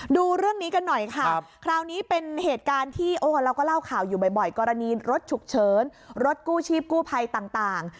ดูเรื่องนี้กันหน่อยค่ะคราวนี้เป็นเหตุการณ์ที่โอ้เราก็เล่าข่าวอยู่บ่อยกรณีรถฉุกเฉินรถกู้ชีพกู้ภัยต่าง